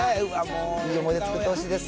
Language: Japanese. いい思い出作ってほしいです。